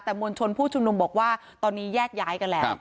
แต่มวลชนผู้ชุมนุมบอกว่าตอนนี้แยกย้ายกันแล้ว